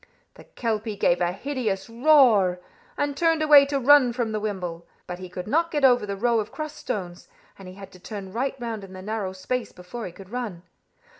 The kelpie gave a hideous roar, and turned away to run from the wimble. But he could not get over the row of crossed stones, and he had to turn right round in the narrow space before he could run.